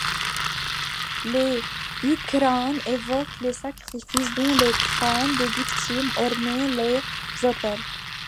Les bucranes évoquent les sacrifices dont les crânes des victimes ornaient les autels.